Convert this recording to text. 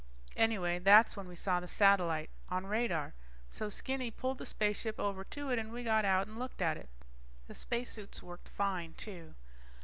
Anyway that's when we saw the satellite on radar. So Skinny pulled the spaceship over to it and we got out and looked at it. The spacesuits worked fine, too.